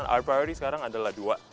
our priority sekarang adalah dua